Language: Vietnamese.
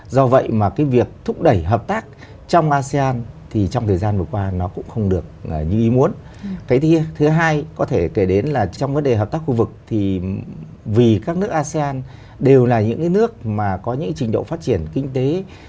do vậy mà cái việc thúc đẩy hợp tác trong asean thì trong thời gian vừa qua nó cũng không được như ý muốn cái thứ hai có thể kể đến là trong vấn đề hợp tác khu vực thì vì các nước asean đều là những cái nước mà có những trình độ phát triển kinh tế